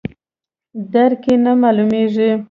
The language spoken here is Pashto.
درک یې نه معلومیږي.